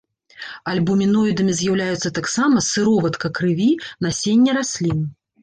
Альбуміноідамі з'яўляюцца таксама сыроватка крыві, насенне раслін.